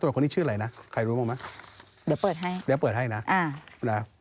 ตำรวจคนนี้ชื่ออะไรนะใครรู้บ้างไหมเดี๋ยวเปิดให้นะ